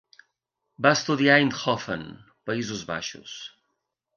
Va estudiar a Eindhoven, Països Baixos.